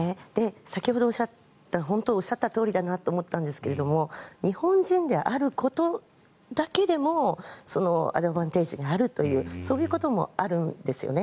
先ほどおっしゃったとおりだなと思ったんですけど日本人であることだけでもアドバンテージがあるというそういうこともあるんですよね。